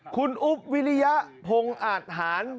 คุณอุ๊บวิริยะพงอาทหาร